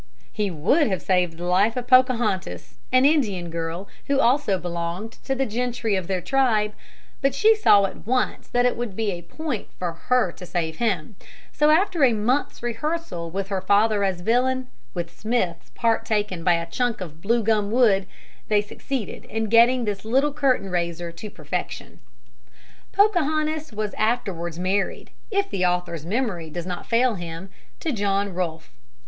He would have saved the life of Pocahontas, an Indian girl who also belonged to the gentry of their tribe, but she saw at once that it would be a point for her to save him, so after a month's rehearsal with her father as villain, with Smith's part taken by a chunk of blue gum wood, they succeeded in getting this little curtain raiser to perfection. Pocahontas was afterwards married, if the author's memory does not fail him, to John Rolfe.